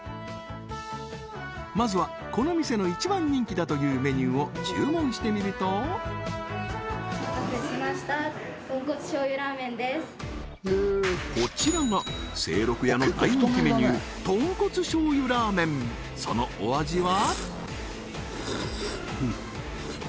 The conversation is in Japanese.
まずはこの店の１番人気だというメニューを注文してみるとお待たせしましたこちらがそのお味は？